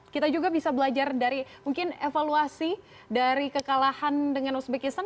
kita juga bisa belajar dari mungkin evaluasi dari kekalahan dengan uzbekistan